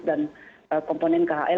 dan komponen khl